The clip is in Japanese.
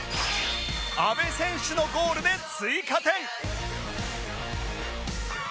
安部選手のゴールで追加点